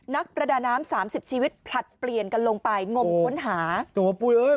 นักประดาน้ำสามสิบชีวิตผลัดเปลี่ยนกันลงไปงมค้นหาตัวปุ้ยเอ้ย